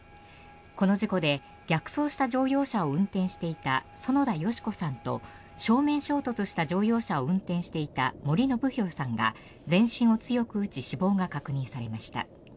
この事故で逆走した乗用車を運転していた園田佳子さんと正面衝突した乗用車を運転していた森伸広さんが森伸広さんが全身を強く打ち死亡が確認されました。